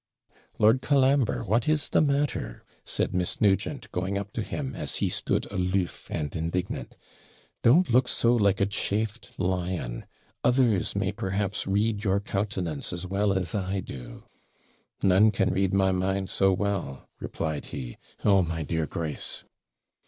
'Lord Colambre, what is the matter?' said Miss Nugent, going up to him, as he stood aloof and indignant: 'Don't look so like a chafed lion; others may perhaps read your countenance as well as I do.' 'None can read my mind so well,' replied he. 'Oh, my dear Grace!'